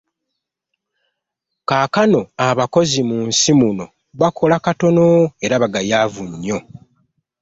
Kaakano abakozi mu nsi muno bakola katono era bagayaavu nnyo.